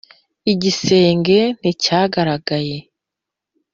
igisenge nticyagaragaye,